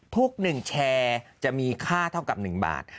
ทุกหนึ่งแชร์จะมีค่าเท่ากับ๑บาท